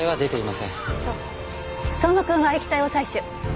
相馬君は液体を採取。